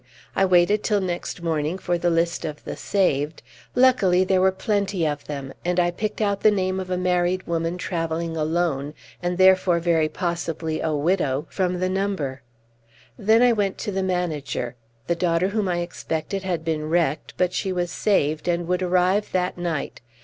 I waited till next morning for the list of the saved; luckily there were plenty of them; and I picked out the name of a married woman travelling alone, and therefore very possibly a widow, from the number. Then I went to the manager. The daughter whom I expected had been wrecked, but she was saved, and would arrive that night.